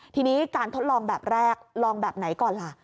ทีนี้การทดลองแบบแรกลองแบบไหนก่อนล่ะ